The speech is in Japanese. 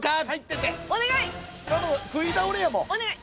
お願い！